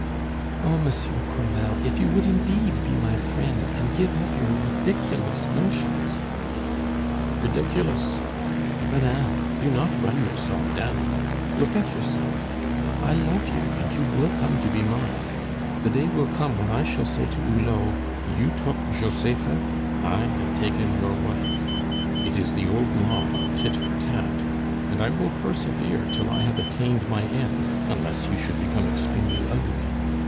"Oh, Monsieur Crevel, if you would indeed be my friend and give up your ridiculous notions " "Ridiculous? Madame, do not run yourself down. Look at yourself I love you, and you will come to be mine. The day will come when I shall say to Hulot, 'You took Josepha, I have taken your wife!' "It is the old law of tit for tat! And I will persevere till I have attained my end, unless you should become extremely ugly.